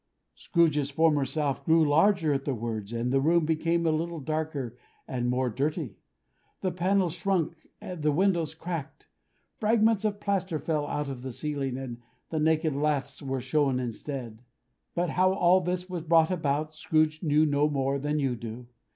Scrooge's former self grew larger at the words, and the room became a little darker and more dirty. The panels shrunk, the windows cracked; fragments of plaster fell out of the ceiling, and the naked laths were shown instead; but how all this was brought about, Scrooge knew no more than you do.